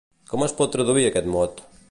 Com es pot traduir aquest mot?